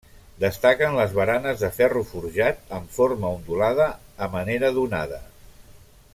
Destaquen les baranes de ferro forjat amb forma ondulada a manera d'onada.